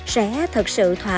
sẽ thật sự thỏa thuận